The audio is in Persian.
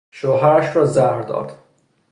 شوهرش را زهر داد.